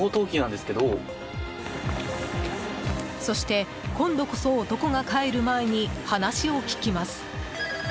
そして、今度こそ男が帰る前に話を聞きます。